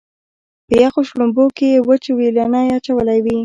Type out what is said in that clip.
په یخو شړومبو کې یې وچ وېلنی اچولی وي.